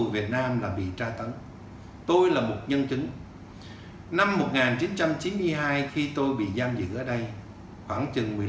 việt nam là bị tra tấn tôi là một nhân chứng năm một nghìn chín trăm chín mươi hai khi tôi bị giam giữ ở đây khoảng chừng